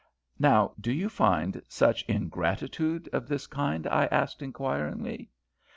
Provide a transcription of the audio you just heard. "Now, do you find much ingratitude of this kind?" I asked, inquiringly.